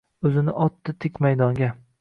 O’zni otdi tik maydonga